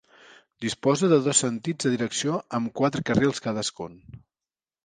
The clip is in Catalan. Disposa de dos sentits de direcció amb quatre carrils cadascun.